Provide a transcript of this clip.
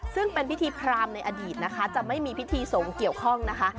ซึ่งเป็นพิธีพรามในอดีตนะคะจะไม่มีพิธีสงฆ์เกี่ยวข้องนะคะ